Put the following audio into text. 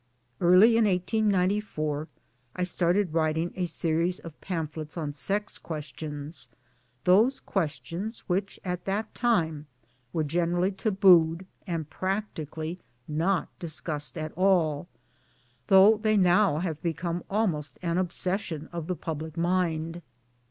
Early in 1894 I started ^vc THE STORY OF MY BOOKS 195 writing a series of pamphlets on sex questions those questions which at that time were generally tabooed and practically not discussed at all, though they now have become almost an obsession of the public mind.